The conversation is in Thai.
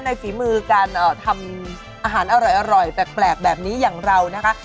ฝีมือการทำอาหารอร่อยแปลกแบบนี้อย่างเรานะคะ